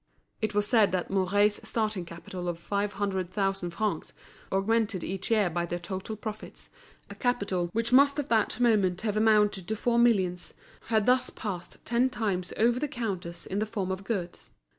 It was said that Mouret's starting capital of five hundred thousand francs, augmented each year by the total profits, a capital which must at that moment have amounted to four millions, had thus passed ten times over the counters in the form of goods.